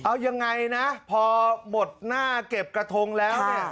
เอายังไงนะพอหมดหน้าเก็บกระทงแล้วเนี่ย